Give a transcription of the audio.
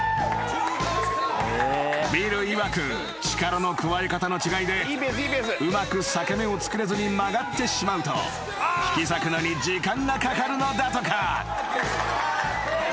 ［ビルいわく力の加え方の違いでうまく裂け目を作れずに曲がってしまうと引き裂くのに時間がかかるのだとか］